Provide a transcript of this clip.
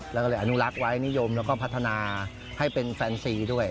แล้วก็เลยอนุรักษ์ไว้นิยมแล้วก็พัฒนาให้เป็นแฟนซีด้วย